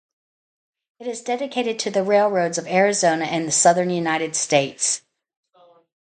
It is dedicated to the railroads of Arizona and the Southwestern United States.